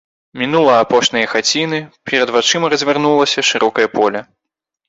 Мінула апошнія хаціны, перад вачыма развярнулася шырокае поле.